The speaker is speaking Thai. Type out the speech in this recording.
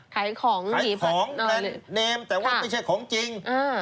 ขายของหรือแนมแต่ว่าไม่ใช่ของจริง